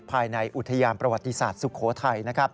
ภายในอุทยานประวัติศาสตร์สุโขทัย